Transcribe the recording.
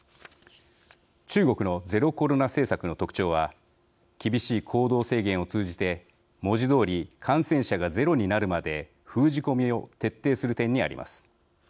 中国のゼロコロナ政策の特徴は厳しい行動制限を通じて文字どおり感染者がゼロになるまで封じ込めを徹底する点にあります。